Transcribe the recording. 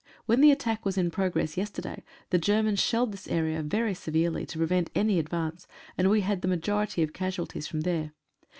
When the at tack was in progress yesterday the Germans shelled this area very severely, to prevent any advance, and we had the majority of casualties from there.